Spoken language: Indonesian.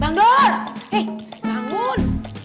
bang dor hei bangun